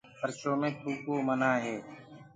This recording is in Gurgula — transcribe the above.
ڦرشو مي ٿوڪوو منآ هي۔